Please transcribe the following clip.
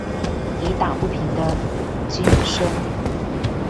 以打不平的精砷